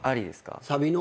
サビの？